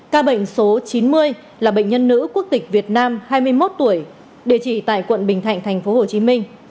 ca bệnh số chín mươi là bệnh nhân nữ quốc tịch việt nam hai mươi một tuổi địa chỉ tại quận bình thạnh thành phố hồ chí minh